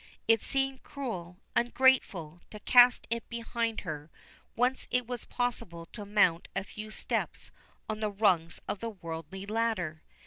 It seemed cruel ungrateful to cast it behind her, once it was possible to mount a few steps on the rungs of the worldly ladder.